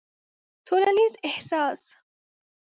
ټولنيز احساس